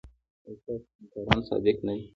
ایا ستاسو همکاران صادق نه دي؟